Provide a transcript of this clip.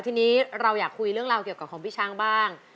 ทีนี้เราอยากคุยเรื่องราวเกี่ยวกับของพี่ช้างบ้าง